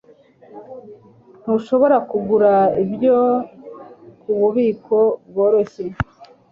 Ntushobora kugura ibyo kububiko bworoshye.